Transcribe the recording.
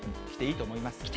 着ていいと思います。